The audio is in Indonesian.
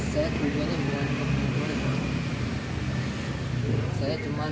saya kebanyakan mengumpulkan ma